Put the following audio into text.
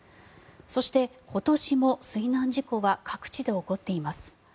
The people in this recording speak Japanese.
そして今年も水難事故は各地で起こっています。